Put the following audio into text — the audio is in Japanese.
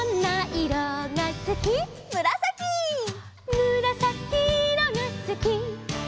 「むらさきいろがすき」